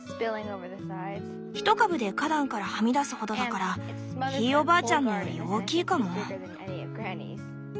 一株で花壇からはみ出すほどだからひいおばあちゃんのより大きいかも。